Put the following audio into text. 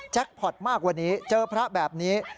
พอร์ตมากกว่านี้เจอพระแบบนี้